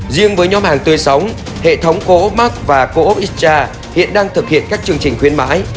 riêng với nhóm hàng tuyên sống hệ thống co op mark và co op ischa hiện đang thực hiện các chương trình khuyến mãi